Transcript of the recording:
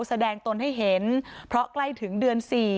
ตนให้เห็นเพราะใกล้ถึงเดือน๔